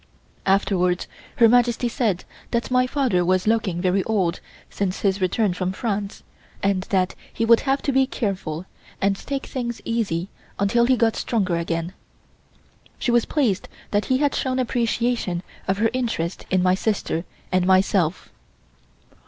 Afterwards Her Majesty said that my father was looking very old since his return from France and that he would have to be careful and take things easy until he got stronger again. She was pleased that he had shown appreciation of her interest in my sister and myself.